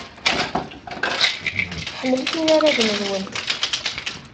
Ḥemmlet inaragen-nwen.